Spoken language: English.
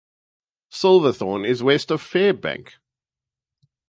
Silverthorn is west of Fairbank.